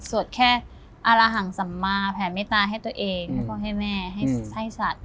สวดแค่อารหังสัมมาแผ่นเมตตาให้ตัวเองแล้วก็ให้แม่ให้ไส้สัตว์